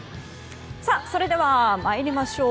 それでは参りましょう。